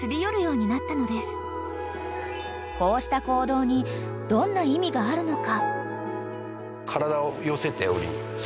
［こうした行動にどんな意味があるのか］